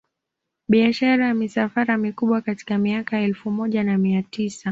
Biashara ya misafara mikubwa katika miaka ya elfu moja na mia tisa